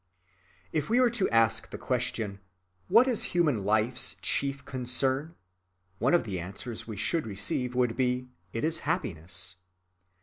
If we were to ask the question: "What is human life's chief concern?" one of the answers we should receive would be: "It is happiness."